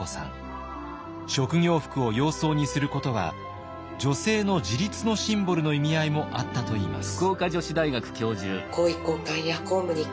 職業服を洋装にすることは女性の自立のシンボルの意味合いもあったといいます。